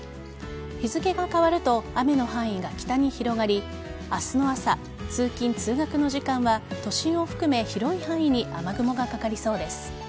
日付が変わると雨の範囲が北に広がり明日の朝、通勤・通学の時間は都心を含め、広い範囲に雨雲がかかりそうです。